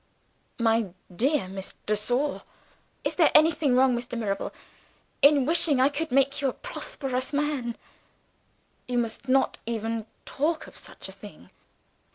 "My dear Miss de Sor !" "Is there anything wrong, Mr. Mirabel, in wishing that I could make you a prosperous man?" "You must not even talk of such a thing!"